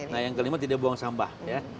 nah yang kelima tidak buang sampah ya